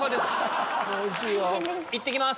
いってきます！